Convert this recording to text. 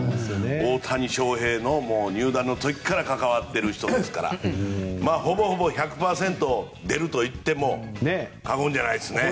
大谷翔平の入団の時から関わっている人ですからほぼほぼ１００％出るといっても過言じゃないですね。